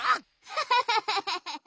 ハハハハハハ！